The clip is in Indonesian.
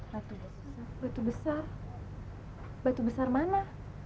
batu besar batu besar mana